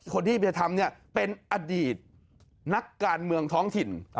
คนที่ไปทำเนี่ยเป็นอดีตนักการเมืองท้องถิ่น